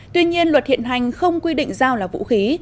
tuy nhiên luật hiện hành không quy định dao là vũ khí